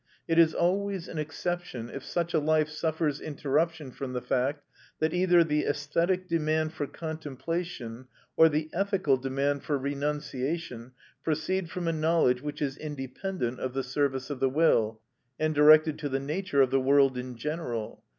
It is always an exception if such a life suffers interruption from the fact that either the æsthetic demand for contemplation or the ethical demand for renunciation proceed from a knowledge which is independent of the service of the will, and directed to the nature of the world in general.